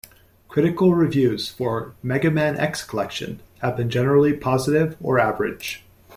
Critical reviews for "Mega Man X Collection" have been generally positive or average.